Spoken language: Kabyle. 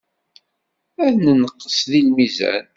Ad nenqes deg lmizan.